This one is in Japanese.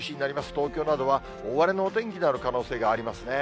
東京などは大荒れのお天気になる可能性がありますね。